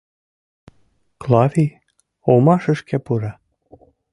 Клавий омашышке пура.